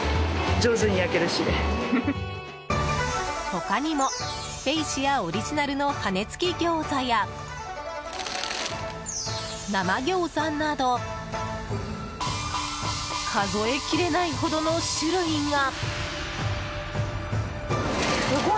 他にも、ベイシアオリジナルの羽根つき餃子や生餃子など数え切れないほどの種類が。